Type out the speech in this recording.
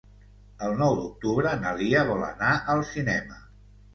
El nou d'octubre na Lia vol anar al cinema.